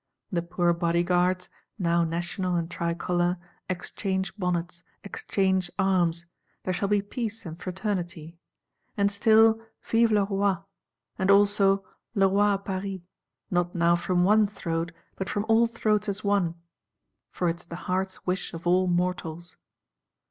—The poor Bodyguards, now National and tricolor, exchange bonnets, exchange arms; there shall be peace and fraternity. And still 'Vive le Roi;' and also 'Le Roi à Paris,' not now from one throat, but from all throats as one, for it is the heart's wish of all mortals.